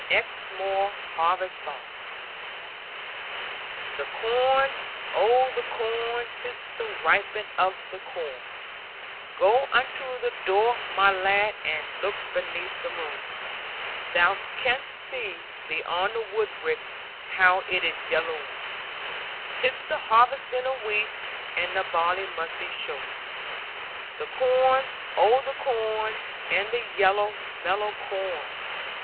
EXMOOR HARVEST SONG 1 The corn, oh the corn, 'tis the ripening of the corn! Go unto the door, my lad, and look beneath the moon, Thou canst see, beyond the woodrick, how it is yelloon: 'Tis the harvesting of wheat, and the barley must be shorn. (Chorus) The corn, oh the corn, and the yellow, mellow corn!